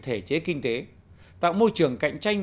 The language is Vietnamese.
thể chế kinh tế tạo môi trường cạnh tranh